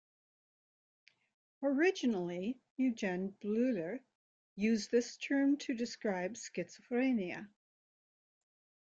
Originally, Eugen Bleuler used this term to describe schizophrenia.